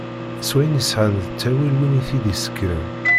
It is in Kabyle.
S wayen i sɛan d ttawil wid i t-id-yessekren.